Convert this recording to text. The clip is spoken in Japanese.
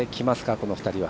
この２人は。